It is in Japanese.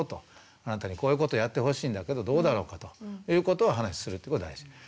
あなたにこういうことやってほしいんだけどどうだろうかということをお話しするってことが大事。